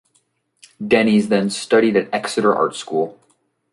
Dennys then studied at Exeter Art School.